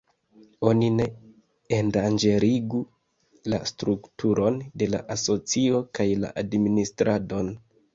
Oni ne endanĝerigu la strukturon de la asocio kaj la administradon.